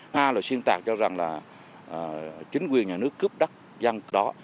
hai là xuyên tạc cho rằng là chính quyền nhà nước cướp đất dân đó